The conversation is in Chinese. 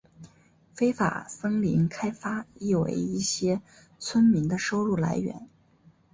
非法森林开发亦为一些村民的收入来源。